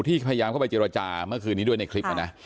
ที่พยายามเข้าไปเจรจาเมื่อคืนนี้ด้วยในคลิปนะ